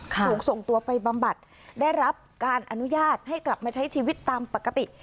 ถูกส่งตัวไปบำบัดได้รับการอนุญาตให้กลับมาใช้ชีวิตตามปกติ